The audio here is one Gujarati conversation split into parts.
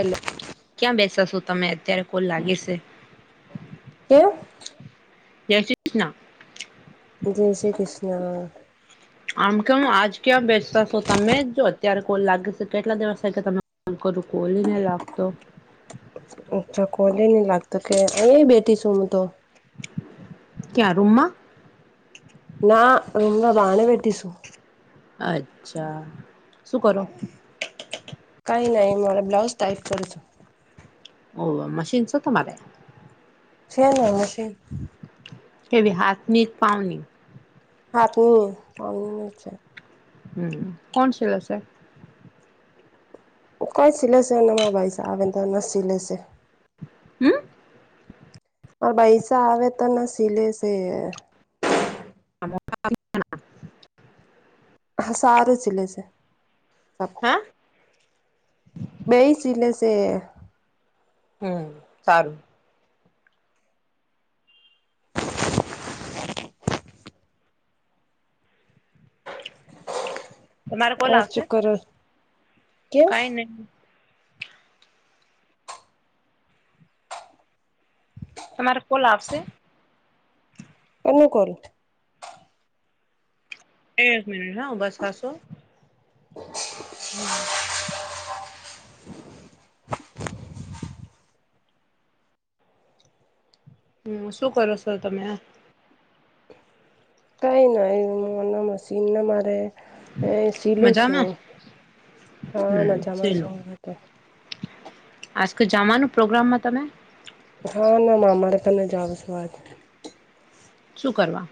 એલો ક્યાં બેસા છો તમે અત્યારે કોલ લાગે છે. કેમ જયશ્રી કૃષ્ણ જય શ્રી કૃષ્ણ આમ કે હ આજ ક્યાં બેચતા છો તમે જો અત્યારે કોઈ લાગે છે કેટલા દિવસ થાય કે ત મા કોનું ખોલીને લાગતો અચ્છા કોલે નહી લાગતું કે અહીં બેઠીશું હું તો ક્યા રૂમમાં? ના એ બાને બેટશું અચ્છા શું કરો, કઈ નહી મારા બ્લાઉઝ ટાઈપ કર છો ઓ મશીનસો તમારે છેને મશીન કે હાથ ની જ પાની હાથની કલની છે. કોણ શલે છે. કઈ સિલેશેમાં ભાઈ છે આવેને તો ન સિલે છે. હુમ પૈસા આવે તો ના સિલે છે. [inaudible] સારુ શીલે છે. હા બેઈ સીલે છે હમ સારું તમારે કોલ ઓર આવશે. શું કરો કેમ કઈ નહી. તમારે કોલ આવશે અનુકલ એક મીનીટ હે ઊભાથાસોહસો [inaudible] [inaudible] હમ શું કરો છો તમે આ કઈ ના મશીન ના મારે સીલું શું મજામાં હા હમ મજામાં ચલો શું હતું આજ તો જવાનું પ્રોગ્રામમાં તમે હા ને માામા રખ જાઓ આજે શું કરવા?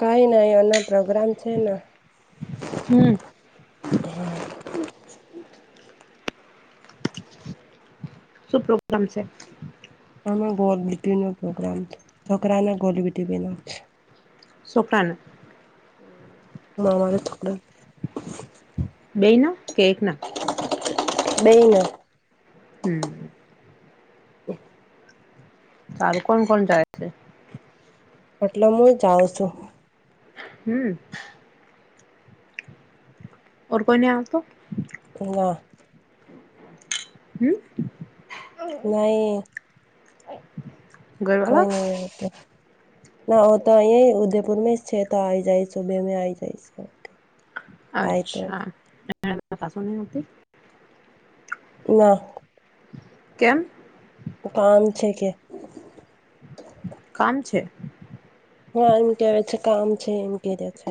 કઈ નહી એના પ્રોગ્રામ છે ના હમ. શું પ્રોગ્રામ છે? આમાં ગોલબીટી નો પ્રોગ્રામ છોકરાને ગોલીબીટીના છોકરાને હ મામારે થોડા બે ના કે એક ના બેયને. હમ. [inaudible] સારું કોણ કોણ જાય છે? એટલે હું જાઉં છું. હમ. ઓર કોઇને આ તો. ના. હમ. નહી. કય ઘરવાળા નય એ તો ના હો તો અ ઉદયપુર છે તો આ આવી જાય સુબે મે આ આવી જાય છે. અચ્છા પાસું નય આવતી ના. કેમ? કામ છે કે. કામ છે? હા એમ કેવા છે કામ છે એમ કેે છે.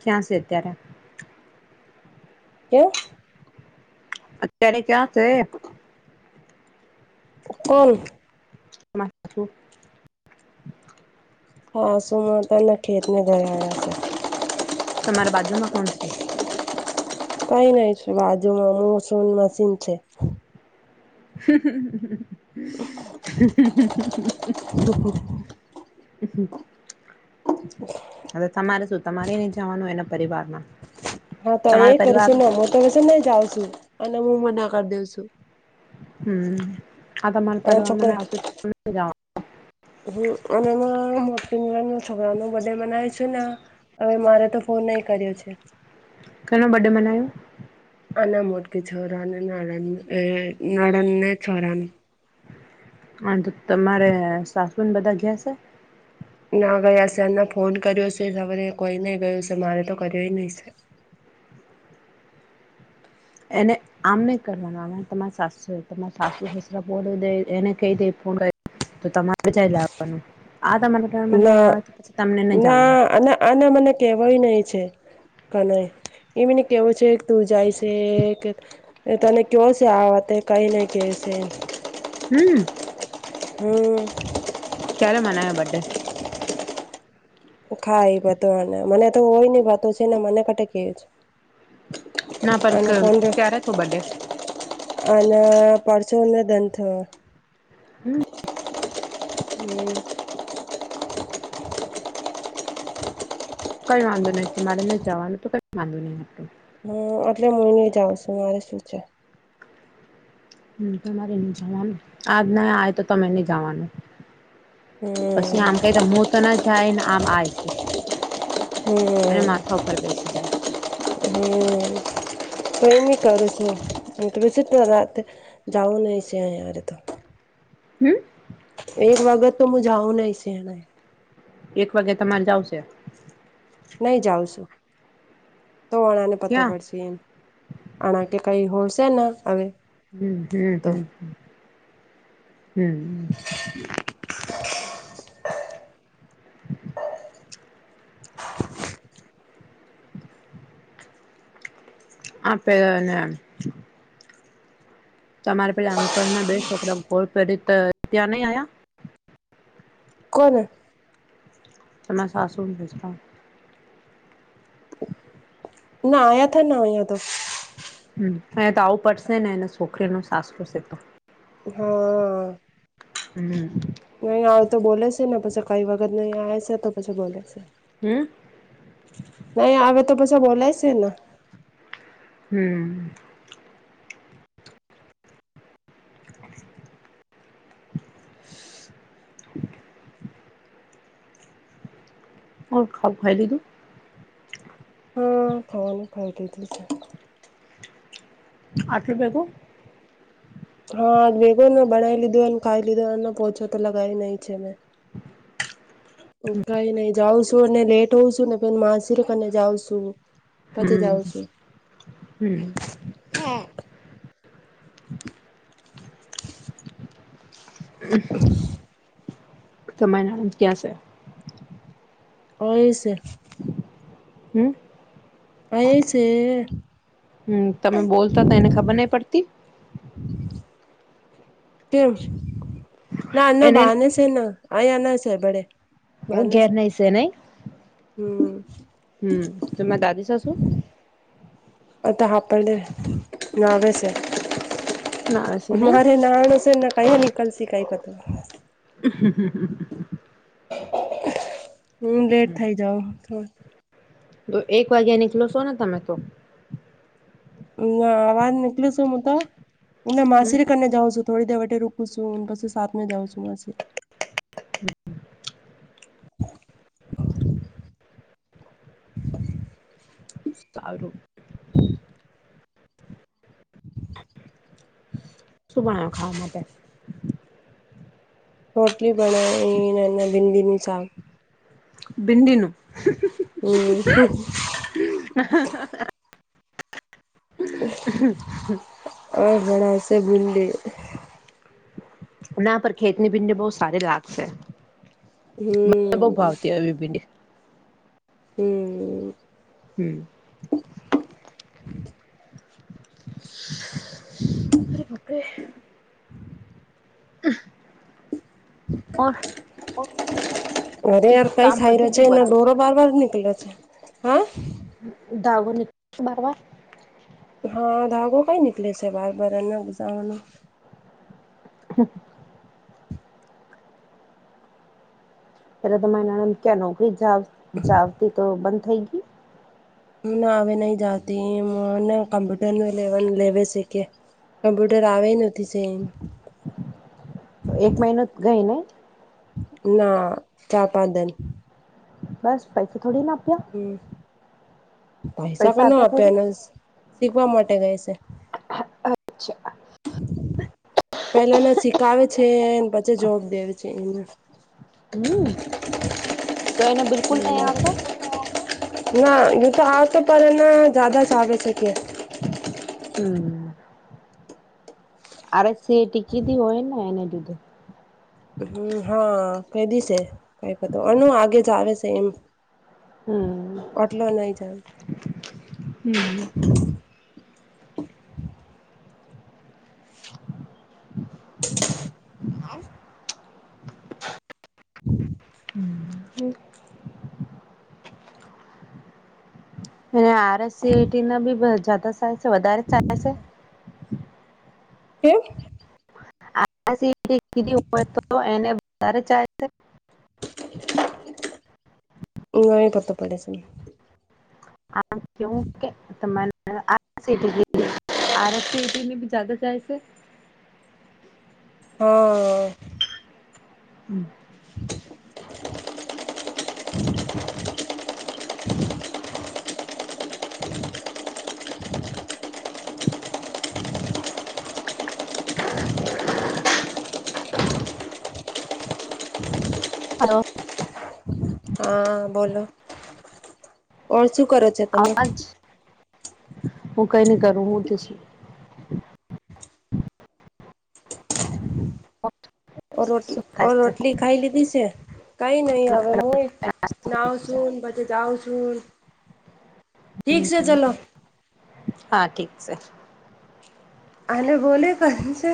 ક્યાં છે અત્યારે? કેમ? અત્યારે ક્યાં છે? ઉપર. [unintelligible] હા સુુંમાં તને [unintelligible] તમારા બાજુમાં કોણ છે? કઈ નઈ છે બાજુમાં મુ છું ન મશીન છે. [inaudible] [unintelligible] હ તમારે શું તમારે નહી જવાનું એના પરિવારમાં હા તો એ તમારા પરિવાર કરીશું ને હું તો હશે નને જાઉં છું અને હું મના કરી દેઉ છું. હમ આ [unintelligible] એ અને મો [unintelligible] હવે મારે તો ફોન ન કર્યો છે. કોનો બડે બનાયો? આના મોટકી [unintelligible] તો તમારે સાસુ બધા ઘેર સે ના ગયા છે એમના ફોન કર્યો છે ખબરે કોઈ નહી ગયો છે મારે તો કર્યોય નહી છે. એને, આમ નને કરવાનું આવે તમારી સાસુ તમારા સાસુ સસરા બોડ દ એને કઈ દે તો તમારે જઈ લાવવાનું આ તમારા ઘર આવે તો પછી તમને નહી, જવાનું આને મને કેવાય નહી છે. ક નય એમ ન કેવો છે, તુ જાય છે કે એ તને કયો છે આ વતે કઈ નઈ કેશે હમ હમ ક્યારેલા મનાાયો બડથડે ખાઈ બધ મને તો હોય ની વાતો છે ને મને કટ કેવી છે ના પર ક અને ફોન ત્યારે તો બડે અને પરસોને દંધ થયો હમ હમ્મ કઈ વાંધો નહ તમારે નને જવાનું તો કઈ વાંધો નહી હ આટલે મહિને જાવશું મારે શું છે. તમારે નહી જવાનું આજ ના આવે તો તમે નહી, જવાનુ હમ પછી આમ કતા મો તો ના જાય ને આમ આ છે. અને માથા ઉપર બેસી જાય. હમ્મ ટ્રેમી કર છેું વિઝિટમાં રાતે જઉુંન છેહી અરે તો હમ એક વગત તો હું જાઉં નઈ છે, એને એક વાગે તમારે જાવશે નહી જાવશું તો વણાને પતો ક્યાં પડશે એમ આણા કે કઈ હોલશેને હવે હમ હમ તો હમ હમ હ આપ પે તમારા પેલા અંકલ ના બે છોકરા ગોળ પહેરી ત્યાં નહી, આવ્યા કોલ તો મેં સાસુને ભેજતા ના આયા થ ના આયા તો હ અયા તો આવું પડશે ને એને છોકરી ન સાસવું છે, તો હા હમ નહીં આવે તો બોલે છે ને પછી કઈ વખત નહી આવે છે તો પછી બોલે છે. હા નહી આવે તો પછી બોલાય છેને હમ્મ ઓ ખબ ઘરા લધુ હા ખવાનું ખાટીું છે. આઠ રૂપિયા તો હા ભેગોને બનાવી લીધોને ખાઈ લીધો એ પોછો તો લગાવી નઈ છે, મેં કઈ નઈ જાઉં છું અને લેટ હોઉ છું ને પ માસરને જાવં છુ. હમ હમ સમયનાંદ ક્યાં છે. હો છે. હમ પ એ છે. હમ તમે બોલતા તો એને ખબર નહી પડતી. કેમ ના ના એને બહને છે ના અહીયા ના છે બડે. વાન ઘેર છે નહી નહી હમ. હમ તોરા દાદી શ શું અ તો હાપડડે ના આવે છે. ના હશે નહી મારે નાણ છેને, કયા નીકલશે કઈ પતુ હ હુ, લેટ થઇ જાાવ થોડ તો એક વાગ્યા નીકલો છો ને તમે તો ના આવાજ નીકળી છું હું તો હું હમ માસરી કરીને જાઉં છું. થોડી દેવટે રોકું છું પછી સાતમે જ જાઉ છું મ હમ. સારું. હ હમ સુમાણો ખાવા માટે રોટલી બના ના ભિંદીની સાક ભિડીનું. હમ [inaudible] ઓ બા છે બંદલી ના પર ખેતની બિંને બહુ સાર લાાગસ હ મ બઉ હમ ભાવતી આવી ભીડી હમ હમ [inaudible] અરે પપે હ અરે યાર કઈ કામ સાઈ પતી રહ છે ગયું એના બધું ડોરો. બાર બાર નિકલો છે હા. ધાવો બારવા. હા ધાગો કઈ નનીકલે છે વાર બર એના ગુઝવાનું. હમ પેલા તમારી ના ક્યાં નોકરી જાવતી તો બંધ થઈ ગ ના આવે નહી જતી નાને કમ્પ્યુટરનું લવન લેવે સીખે. કમ્પ્યુટર આવે નથી છે એમ. એક મહિનો ગઈ ને ના ચા પાદન બસ પૈસેસા થોડી ના આપ્યા હમ પૈસા કો ન આપ્યા આપે થોડી એને શીખવા માટે ગય છે. હ અચ્છા પેલાને શીખાવે છે પછી જોબ દેવે છે એને હમ તો એને બિલકુલ નહી આપો. ના એ તો આ તો પણ એના જદા જ આવે છે કે હમ અ સ ટિકિ દ હોયના એને દધ હમ હા ક દી છે કઈક અન આગે જ આવે છે એમ. હમ આટલો નહી જણ હમ હા હમ એ અને આરસટી ના બી છે વધારેા છે. કેમ? ઊ ધી હોય તો એને વધારે ચા હહી પતો પડે છે આ આરસ સીટીને જદ જાય છે. હમ હમ [inaudible] [inaudible] હલો હા બોલો ઓળ શું કરો છો તમે આજ હું કઈ નહી કરું હું રોટલી શું ઓ થાય છે રોટલી ખાઈ લીધી છે કઈ નહી હવે હુંય નાઉ છું બછે જાઉં છું ઠીક છે ચાલો હા ઠીક છે અરે બોલે કં છે